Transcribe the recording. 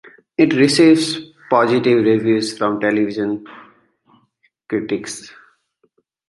It received positive reviews from television critics.